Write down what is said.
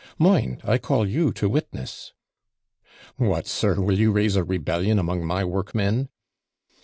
Mind, I call you to witness!' 'What, sir, will you raise a rebellion among my workmen?'